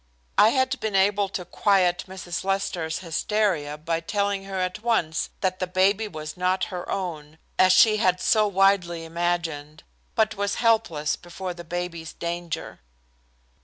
I had been able to, quiet Mrs. Lester's hysteria by telling her at once that the baby was not her own, as she had so widely imagined, but was helpless before the baby's danger.